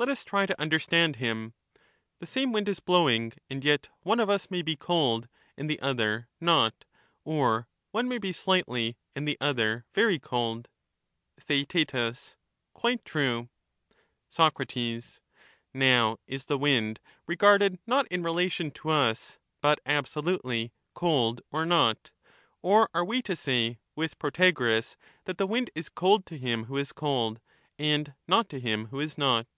Let us try to understand him : the same wind is blowing, and yet one of us may be cold and the other not, or one may be slightly and the other very cold ? Theaet, Quite true. Soc. Now is the wind, regarded not in relation to us but absolutely, cold or not ; or are we to say, with Protagoras, that the wind is cold to him who is cold, and not to him who is not